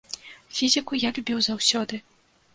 Фізіку я любіў заўсёды.